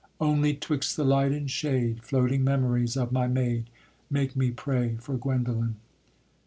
Only 'twixt the light and shade Floating memories of my maid Make me pray for Guendolen.